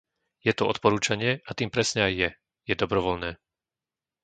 Je to odporúčanie a tým presne aj je - je dobrovoľné.